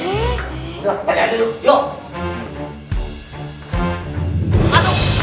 udah cari aja tuh yuk